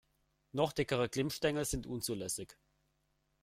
Noch dickere Glimmstängel sind unzulässig.